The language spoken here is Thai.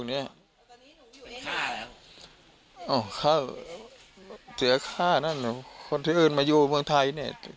เสียค่านั้นคนที่อื่นมาอยู่เมืองไทยเนี่ย